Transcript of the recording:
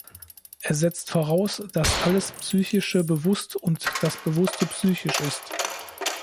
Er setzt voraus, dass alles Psychische bewusst und das Bewusste psychisch ist.